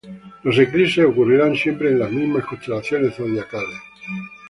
Los eclipses ocurrirían siempre en las mismas constelaciones zodiacales.